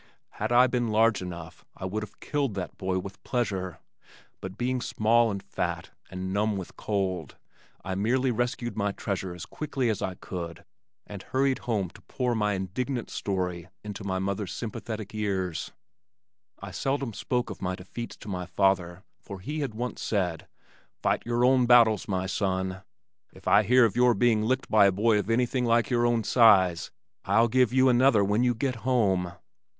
Had I been large enough, I would have killed that boy with pleasure, but being small and fat and numb with cold I merely rescued my treasure as quickly as I could and hurried home to pour my indignant story into my mother's sympathetic ears. I seldom spoke of my defeats to my father for he had once said, "Fight your own battles, my son. If I hear of your being licked by a boy of anything like your own size, I'll give you another when you get home."